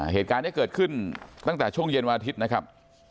เหตุการณ์นี้เกิดขึ้นตั้งแต่ช่วงเย็นวันอาทิตย์นะครับ